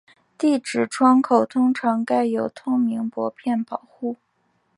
地址窗口通常盖有透明薄片保护。